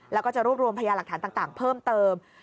แล้วก็จะรวบรวมพยาหลักฐานต่างเพิ่มเติม